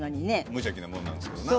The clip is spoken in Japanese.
無邪気なもんなんですけどね。